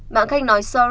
bạn khách nói sorry